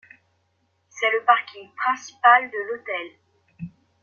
C'est le parking principal de l'hôtel.